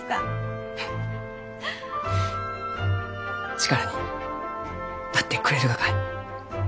力になってくれるがか？